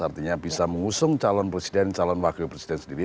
artinya bisa mengusung calon presiden calon wakil presiden sendiri